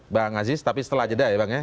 bang aziz tapi setelah jeda ya bang ya